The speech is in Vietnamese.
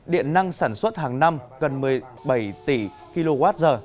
điện năng sản xuất hàng năm gần một mươi bảy tỷ kwh